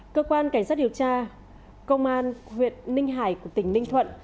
cơ quan cảnh sát điều tra công an huyện ninh hải của tỉnh ninh thuận